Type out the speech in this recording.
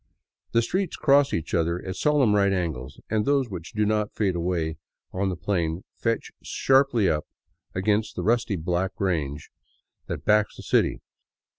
The streets cross each other at solemn right angles, and those which do not fade away on the plain fetch sharply up against the rusty black range that backs the city.